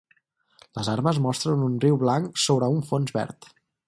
Les armes mostren un riu blanc sobre un fons verd.